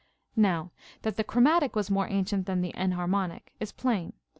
Now that the chromatic was more ancient than the enharmonic is plain.